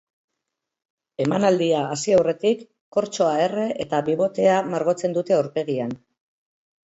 Emanaldia hasi aurretik kortxoa erre eta bibotea margotzen dute aurpegian.